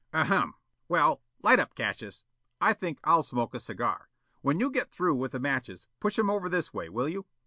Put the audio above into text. "Ahem! Well, light up, Cassius. I think I'll smoke a cigar. When you get through with the matches, push 'em over this way, will you?